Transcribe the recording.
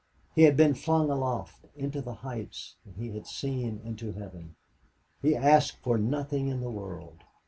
He had been flung aloft, into the heights, and he had seen into heaven. He asked for nothing in the world.